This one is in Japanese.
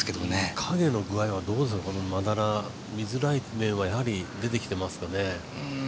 影のぐあいはどうですか、まだら、見づらい面は見えてきていますかね。